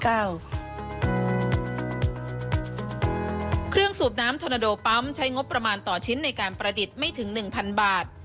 เครื่องสูบน้ำทอนาโดปั๊มใช้งบประมาณต่อชิ้นในการประดิษฐ์ไม่ถึง๑๐๐บาท